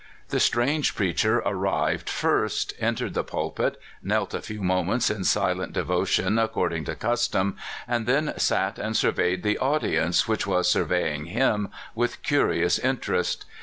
The strange preacher arrived first, en tered the pulpit, knelt a few moments in silent de votion, according to custom, and then sat and sur veyed the audience which was surveying him with curious interest.